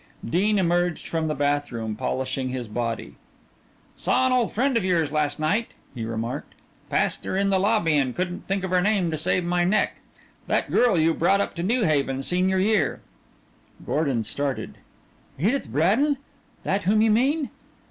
Dean emerged from the bathroom polishing his body. "Saw an old friend of yours last night," he remarked. "Passed her in the lobby and couldn't think of her name to save my neck. That girl you brought up to New Haven senior year." Gordon started. "Edith Bradin? That whom you mean?"